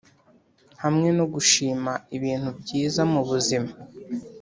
hamwe no gushima ibintu byiza mubuzima,